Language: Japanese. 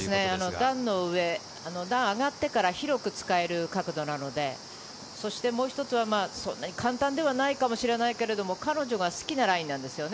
段の上、段を上がってから広く使える角度なので、もう一つは、そんなに簡単ではないかもしれないけれど、彼女が好きなラインですよね。